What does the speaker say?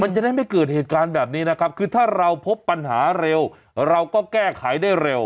มันจะได้ไม่เกิดเหตุการณ์แบบนี้นะครับคือถ้าเราพบปัญหาเร็วเราก็แก้ไขได้เร็ว